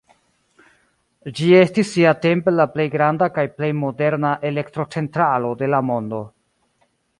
Ĝi estis siatempe la plej granda kaj plej moderna elektrocentralo de la mondo.